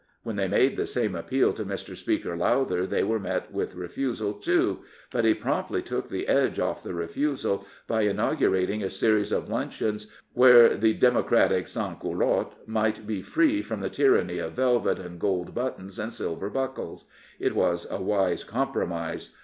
When they made the same appeal to Mr. Speaker Lowther, they were met with refusal «49 Prophets, Priests, and Kings too; but he promptly took the edge off the refusal by inaugurating a series of luncheons where the democratic " sansculottes '' might be free from the tyranny of velvet and gold buttons and silver buckles. It was a wise compromise.